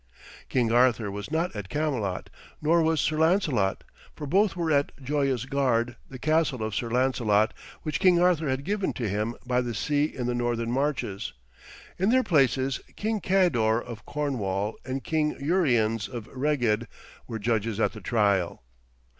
King Arthur was not at Camelot, nor was Sir Lancelot, for both were at Joyous Gard, the castle of Sir Lancelot, which King Arthur had given to him by the sea in the Northern Marches. In their places, King Kador of Cornwall and King Uriens of Reged were judges at the trial.